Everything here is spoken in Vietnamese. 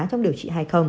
trong điều trị hai